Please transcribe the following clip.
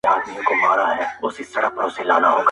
ازادۍ ږغ اخبار د هر چا لاس کي ګرځي,